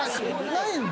ないんで。